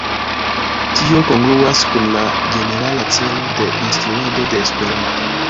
Tio kongruas kun la ĝenerala celo de instruado de Esperanto.